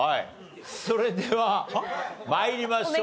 それでは参りましょう。